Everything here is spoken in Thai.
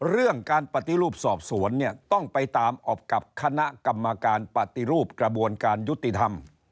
เรื่องการปฏิรูปสอบสวนเนี่ยต้องไปตามอบกับคณะกรรมการปฏิรูปกระบวนการยุติธรรม